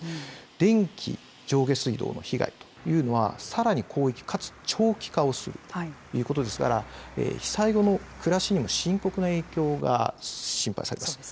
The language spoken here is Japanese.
電気、上下水道の被害というのは、さらに広域かつ長期化をするということですから、被災後の暮らしにも深刻な影響が心配されます。